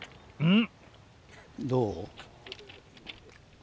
ん？